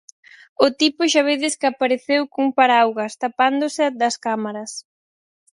O tipo xa vedes que apareceu cun paraugas, tapándose das cámaras.